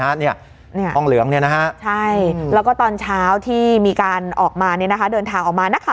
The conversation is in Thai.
เนี้ยเนี้ยห้องเหลืองเนี้ยนะคะใช่แล้วก็ตอนเช้าที่มีการออกมาเนี้ยนะคะเดินทางออกมานะคะ